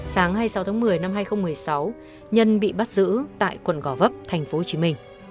sáng hai mươi sáu tháng một mươi năm hai nghìn một mươi sáu nhân bị bắt giữ tại quận gò vấp tp hcm